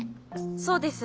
そうです。